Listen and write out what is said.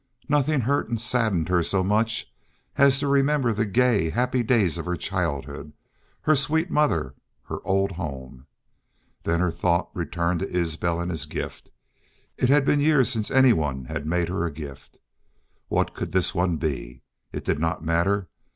Nothing hurt and saddened her so much as to remember the gay, happy days of her childhood, her sweet mother, her, old home. Then her thought returned to Isbel and his gift. It had been years since anyone had made her a gift. What could this one be? It did not matter.